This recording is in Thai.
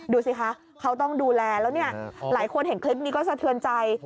ดูสิคะเขาต้องดูแลแล้วเนี่ยหลายคนเห็นคลิปนี้ก็สะเทือนใจ